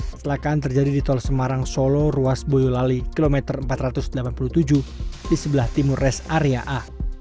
kecelakaan terjadi di tol semarang solo ruas boyolali kilometer empat ratus delapan puluh tujuh di sebelah timur res area a